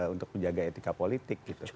untuk menjaga etika politik gitu